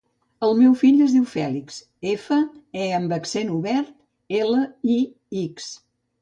El meu fill es diu Fèlix: efa, e amb accent obert, ela, i, ics.